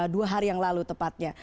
dua hari yang lalu tepatnya